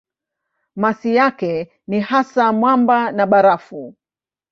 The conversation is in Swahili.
Masi yake ni hasa mwamba na barafu.